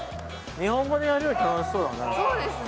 日本語でやるより楽しそうだね